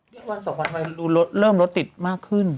เดี๋ยววันสองวันไทยเริ่มรถติดมากขึ้น